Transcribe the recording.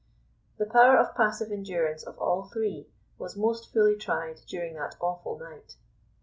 The power of passive endurance of all three was most fully tried during that awful night.